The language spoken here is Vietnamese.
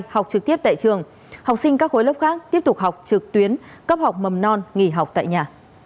học trực tiếp tại trường học sinh các khối lớp khác tiếp tục học trực tuyến cấp học mầm non nghỉ học tại nhà